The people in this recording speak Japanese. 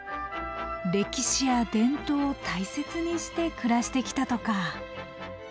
歴史や伝統を大切にして暮らしてきたとか。